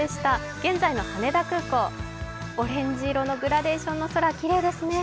現在の羽田空港、オレンジ色のグラデーションの空、きれいですね。